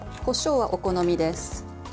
こしょうは、お好みです。